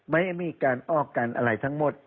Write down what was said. ไม่มีการออกกันอะไรทั้งหมด